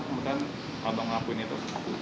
kemudian abang ngapain itu